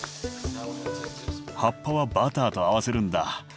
葉っぱはバターと合わせるんだ。